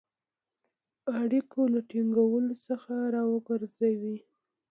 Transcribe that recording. اړیکو له ټینګولو څخه را وګرځوی.